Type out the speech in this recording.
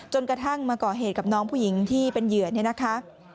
กระทั่งมาก่อเหตุกับน้องผู้หญิงที่เป็นเหยื่อเนี่ยนะคะ